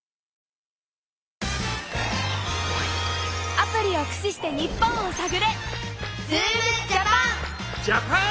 アプリをくしして日本をさぐれ！